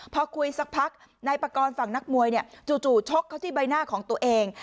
พอคุยสักพักนายปากรฝั่งนักมวยเนี่ยจู่ชกเขาที่ใบหน้าของตัวเอง